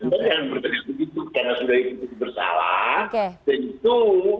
jangan bertegas begitu